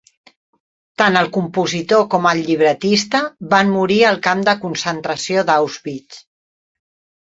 Tant el compositor com el llibretista van morir al camp de concentració d'Auschwitz.